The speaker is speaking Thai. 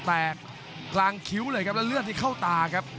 แตกกลางคิ้วเลยครับแล้วเลือดที่เข้าตาครับ